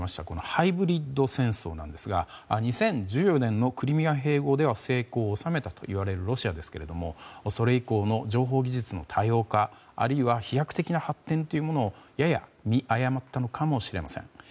ハイブリッド戦争なんですが２０１４年のクリミア併合では成功を収めたといわれるロシアですけどそれ以降の情報技術の多様化あるいは飛躍的な発展というのをやや見誤ったのかもしれません。